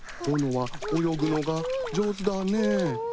ぼのは泳ぐのが上手だね。